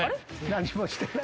何もしてない。